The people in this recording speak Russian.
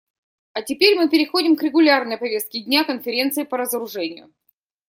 А теперь мы переходим к регулярной повестке дня Конференции по разоружению.